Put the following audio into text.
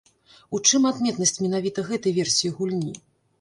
У чым адметнасць менавіта гэтай версіі гульні?